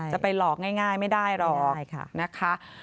จะไปหลอกง่ายไม่ได้หรอกนะคะ